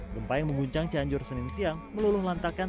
gempa yang mengguncang cianjur senin siang meluluh lantakan